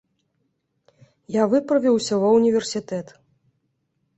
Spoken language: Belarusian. Я выправіўся ва ўніверсітэт.